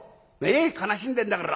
悲しんでんだから。